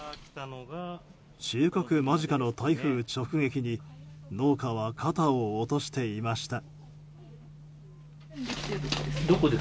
収穫間近の台風直撃に農家は肩を落としていました。